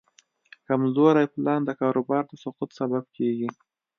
کمزوری پلان د کاروبار د سقوط سبب کېږي.